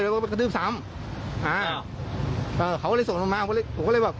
แล้วก็ไปกระทืบซ้ำอ่าเขาก็เลยส่งมาผมก็เลยแบบ